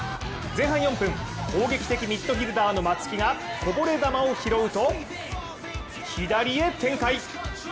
前半４分攻撃的ミッドフィルダーの松木がこぼれ球を拾うと左へ展開。